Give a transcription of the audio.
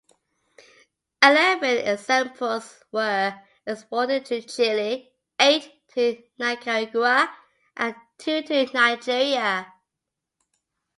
Eleven examples were exported to Chile, eight to Nicaragua, and two to Nigeria.